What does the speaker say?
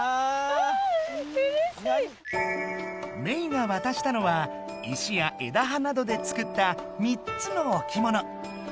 メイがわたしたのは石や枝葉などで作った３つのおきもの。